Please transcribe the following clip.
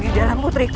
tuhan yang terbaik